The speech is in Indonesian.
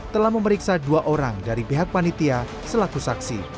telah memeriksa dua orang dari pihak panitia selaku saksi